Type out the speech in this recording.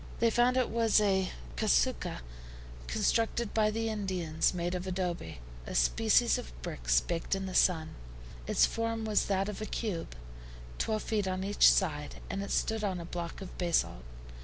They found it was a CASUCHA, constructed by the Indians, made of ADOBES, a species of bricks baked in the sun. Its form was that of a cube, 12 feet on each side, and it stood on a block of basalt.